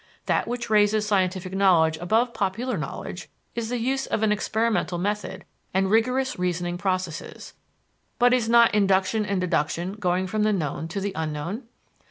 That which raises scientific knowledge above popular knowledge is the use of an experimental method and rigorous reasoning processes; but, is not induction and deduction going from the known to the unknown?